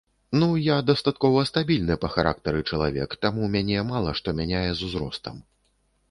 Ну, я дастаткова стабільны па характары чалавек, таму мяне мала што мяняе з узростам.